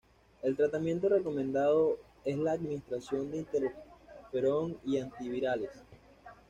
El tratamiento recomendado es la administración de interferón y antivirales.